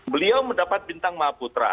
beliau mendapat bintang maha putra